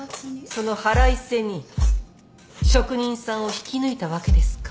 その腹いせに職人さんを引き抜いたわけですか。